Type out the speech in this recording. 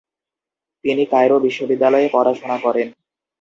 তিনি কায়রো বিশ্ববিদ্যালয়ে পড়াশোনা করেন।